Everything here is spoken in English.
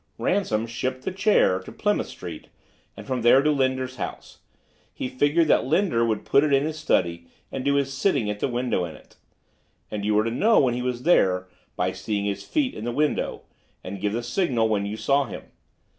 "Ransom shipped the chair to Plymouth Street and from there to Linder's house. He figured out that Linder would put it in his study and do his sitting at the window in it. And you were to know when he was there by seeing his feet in the window, and give the signal when you saw him.